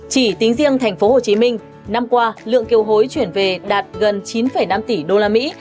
chỉ tính riêng thành phố hồ chí minh năm qua lượng kiều hối chuyển về đạt gần chín năm tỷ đô la mỹ